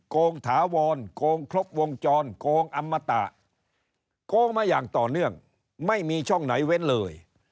โกงถาวรโกงครบวงจรโกงอมตะโกงมาอย่างต่อเนื่องไม่มีช่องไหนเว้นเลย